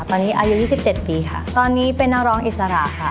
ตอนนี้อายุ๒๗ปีค่ะตอนนี้เป็นนักร้องอิสระค่ะ